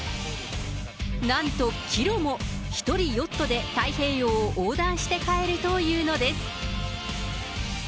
なんと帰路も１人ヨットで太平洋を横断して帰るというのです。